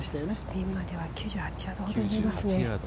ピンまでは９８ヤードほど見えますね。